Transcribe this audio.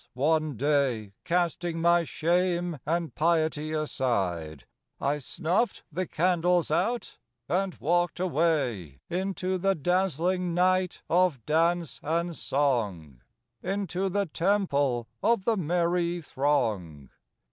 one day, Casting my shame and piety aside, I snuffed the candles out and walked away Into the dazzling night of dance and song, Into the temple of the merry throng.